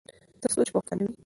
تر څو چې پښتانه وي.